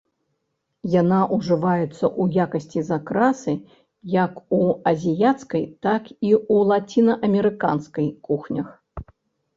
Яна ўжываецца ў якасці закрасы як у азіяцкай, так і ў лацінаамерыканскай кухнях.